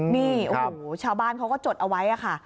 นี่โอ้โหชาวบ้านเขาก็จดเอาไว้ค่ะ